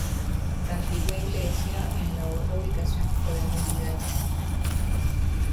La antigua iglesia en la otra ubicación fue demolida el mismo año.